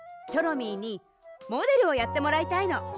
チョロミーにモデルをやってもらいたいの。